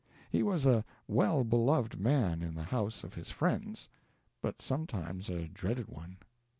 He was a well beloved man in the house of his friends, but sometimes a dreaded one.